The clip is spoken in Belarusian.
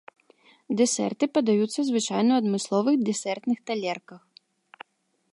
Дэсерты падаюцца звычайна ў адмысловых дэсертных талерках.